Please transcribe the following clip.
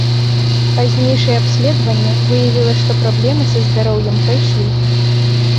Пазнейшае абследаванне выявіла, што праблемы са здароўем прайшлі.